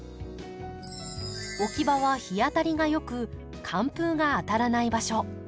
置き場は日当たりが良く寒風が当たらない場所。